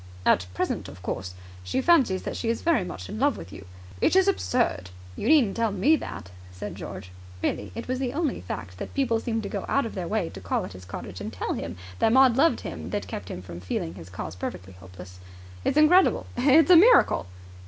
"At present, of course, she fancies that she is very much in love with you ... It is absurd!" "You needn't tell me that," said George. Really, it was only the fact that people seemed to go out of their way to call at his cottage and tell him that Maud loved him that kept him from feeling his cause perfectly hopeless. "It's incredible. It's a miracle."